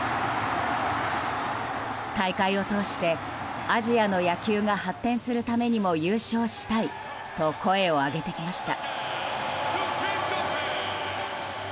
大会を通してアジアの野球が発展するためにも優勝したいと声を上げてきました。